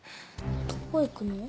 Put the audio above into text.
どこ行くの？